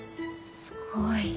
すごい。